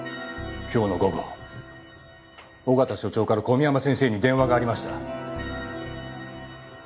今日の午後緒方署長から小宮山先生に電話がありました。